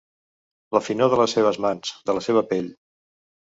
La finor de les seves mans, de la seva pell.